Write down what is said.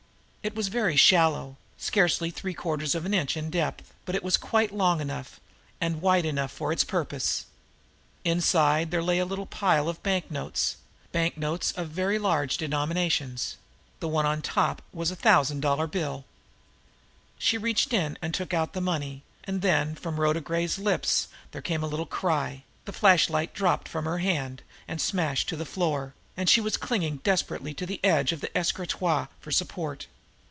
It was very shallow, scarcely three quarters of an inch in depth, but it was quite long enough, and quite wide enough for its purpose! Inside, there lay a little pile of banknotes, banknotes of very large denomination the one on top was a thousand dollar bill. She reached in and took out the money and then from Rhoda Gray's lips there came a little cry, the flashlight dropped from her hand and smashed to the floor, and she was clinging desperately to the edge of the escritoire for support.